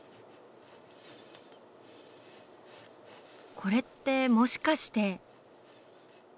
これってもしかして。